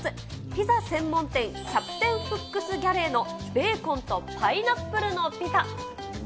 ピザ専門店、キャプテンフックス・ギャレーのベーコンとパイナップルのピザ。